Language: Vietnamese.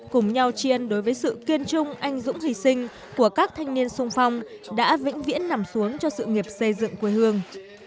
cùng nhau chiên đối với sự kiên trung anh dũng hy sinh của các thanh niên sung phong đã vĩnh viễn nằm xuống cho sự nghiệp xây dựng quê hương